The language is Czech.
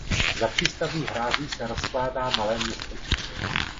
Za přístavní hrází se rozkládá malé městečko.